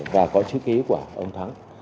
và có chữ ký của ông thắng